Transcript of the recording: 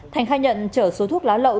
thành khai nhận chở số thuốc lá lậu